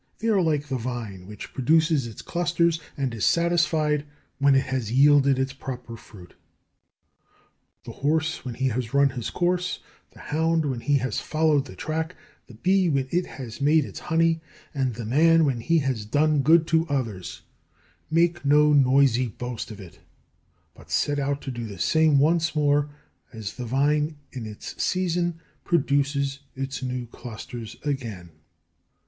They are like the vine, which produces its clusters and is satisfied when it has yielded its proper fruit. The horse when he has run his course, the hound when he has followed the track, the bee when it has made its honey, and the man when he has done good to others, make no noisy boast of it, but set out to do the same once more, as the vine in its season produces its new clusters again.